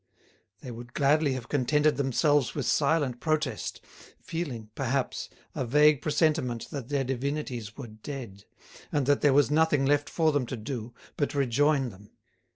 They would gladly have contented themselves with silent protest, feeling, perhaps, a vague presentiment that their divinities were dead, and that there was nothing left for them to do but rejoin them.